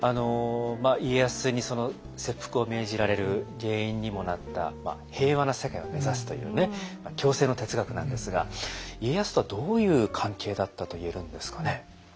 家康に切腹を命じられる原因にもなった平和な世界を目指すというね共生の哲学なんですが家康とはどういう関係だったと言えるんですかね？